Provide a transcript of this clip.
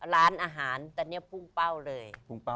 ร้านอาหารตอนนี้พุ่งเป้าเลย